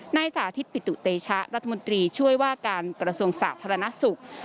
นายสาธิตปิตุเตชะรัฐมนตรีช่วยว่าการกระทรวงศาสตร์ธรรมนักศึกษ์